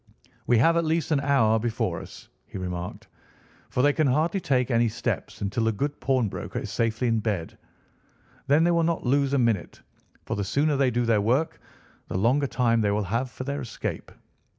"We have at least an hour before us," he remarked, "for they can hardly take any steps until the good pawnbroker is safely in bed. Then they will not lose a minute, for the sooner they do their work the longer time they will have for their escape.